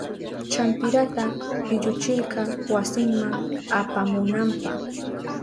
Champirata pilluchirka wasinma apamunanpa.